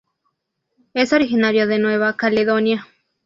Es originario de Nueva Caledonia.